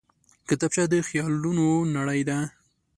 کتابچه د خیالونو نړۍ ده